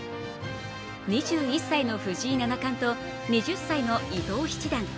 ２１歳の藤井七冠と２０歳の伊藤七段。